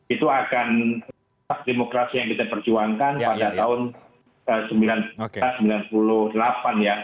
itu akan demokrasi yang kita perjuangkan pada tahun seribu sembilan ratus sembilan puluh delapan ya